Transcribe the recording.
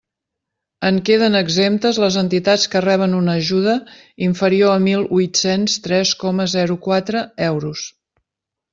En queden exemptes les entitats que reben una ajuda inferior a mil huit-cents tres coma zero quatre euros.